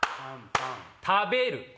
食べる。